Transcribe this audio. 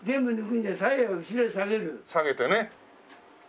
下げてね。